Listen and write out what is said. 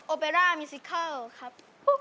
เบร่ามิซิเคิลครับ